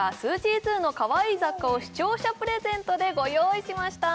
’ｓＺｏｏのかわいい雑貨を視聴者プレゼントでご用意しました